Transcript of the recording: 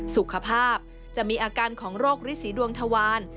สุขภาพจะมีอาการของโรคฤษีดวงทวาร